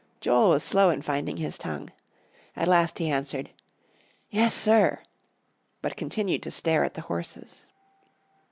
Joel was slow in finding his tongue. At last he answered, "Yes, sir," but continued to stare at the horses.